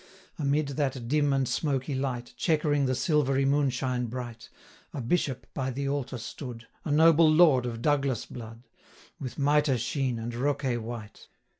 Amid that dim and smoky light, 325 Chequering the silvery moon shine bright, A bishop by the altar stood, A noble lord of Douglas blood, With mitre sheen, and rocquet white.